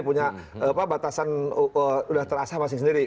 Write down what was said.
punya batasan sudah terasa masing masing sendiri